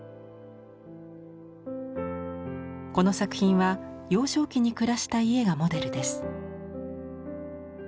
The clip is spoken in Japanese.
この作品は幼少期に暮らした家がモデルです。